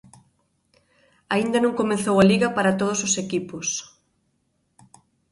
Aínda non comezou a Liga para todos os equipos.